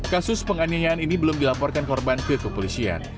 kasus penganiayaan ini belum dilaporkan korban ke kepolisian